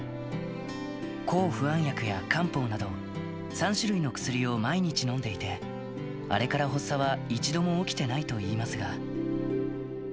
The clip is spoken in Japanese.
抗不安薬や漢方など、３種類の薬を毎日飲んでいて、あれから発作は一度も起きていないといいますが。